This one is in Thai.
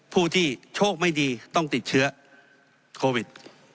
ผู้ที่โชคไม่ดีต้องติดเชื้อโควิด